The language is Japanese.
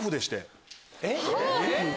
えっ！